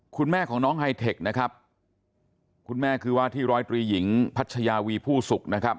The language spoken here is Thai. คุณแม่ของน้องไฮเทคนะครับคุณแม่คือว่าที่ร้อยตรีหญิงพัชยาวีผู้สุขนะครับ